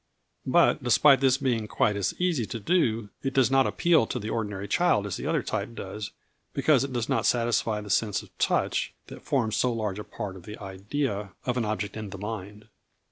But despite this being quite as easy to do, it does not appeal to the ordinary child as the other type does, because it does not satisfy the sense of touch that forms so large a part of the idea of an object in the mind.